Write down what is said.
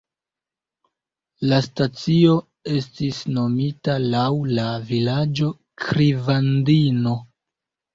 La stacio estis nomita laŭ la vilaĝo Krivandino.